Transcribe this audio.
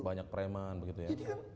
banyak preman begitu ya